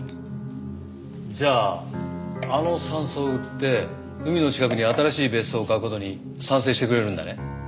じゃああの山荘を売って海の近くに新しい別荘を買う事に賛成してくれるんだね？